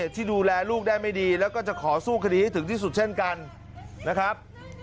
ที่ดูแลลูกได้ไม่ดีแล้วก็จะขอสู้คดีให้ถึงที่สุดเช่นกันนะครับ